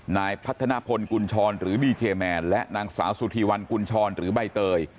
นายพัฒนาพลกุญชรหรือดีเจแมนและนางสาวสุธีวันกุญชรหรือใบเตย